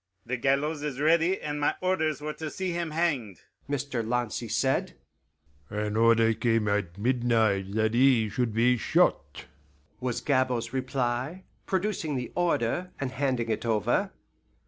"The gallows is ready, and my orders were to see him hanged," Mr. Lancy said. "An order came at midnight that he should be shot," was Gabord's reply, producing the order, and handing it over.